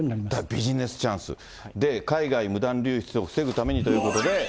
ビジネスチャンス、で、海外無断流出を防ぐためにということで。